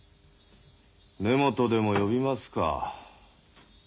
根本でも呼びますか。